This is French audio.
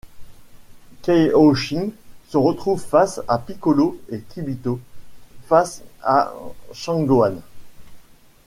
Kaio Shin se retrouve face à Piccolo et Kibito face à Son Gohan.